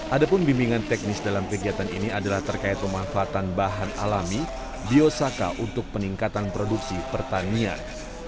ada pun bimbingan teknis dalam kegiatan ini adalah terkait pemanfaatan bahan alami biosaka untuk peningkatan produksi pertanian